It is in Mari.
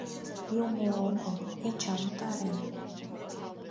Юмо огыл, Эчан утарен.